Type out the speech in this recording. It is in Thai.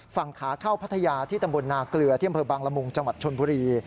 ฝั่งขาเข้าพัทยาที่ตำบลนาเกลือที่อำเภอบางละมุงจังหวัดชนบุรี